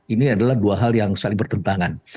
ini adalah dua hal yang saling bertentangan